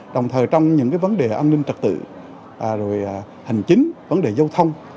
đồng thời trong những vấn đề an ninh trật tự rồi hành chính vấn đề giao thông